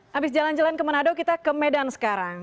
habis jalan jalan ke manado kita ke medan sekarang